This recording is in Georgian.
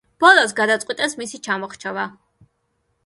ბოლოს გადაწყვიტეს მისი ჩამოხრჩობა.